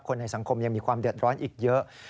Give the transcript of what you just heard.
ในสังคมยังมีความเดือดร้อนอีกเยอะ